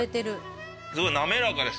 すごい滑らかです